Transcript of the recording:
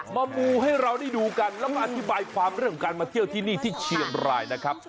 มูให้เราได้ดูกันแล้วก็อธิบายความเรื่องของการมาเที่ยวที่นี่ที่เชียงรายนะครับ